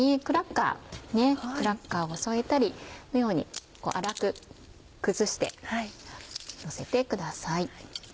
クラッカーを添えたりこのように粗く崩してのせてください。